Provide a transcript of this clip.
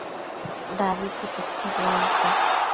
dabidi quete buanta